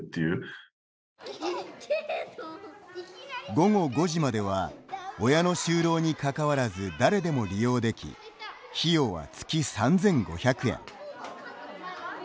午後５時までは親の就労にかかわらず誰でも利用でき費用は月３５００円。